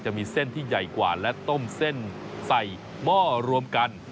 จะมีเส้นที่ใหญ่กว่าและต้มเส้นใส่หม้อรวมกัน